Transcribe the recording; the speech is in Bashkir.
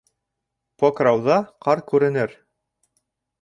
Покрауҙа ҡар күренер.